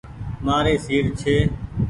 مآري سيٽ ڇي۔